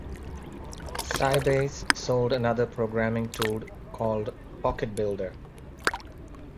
Sybase sold another programming tool called PocketBuilder.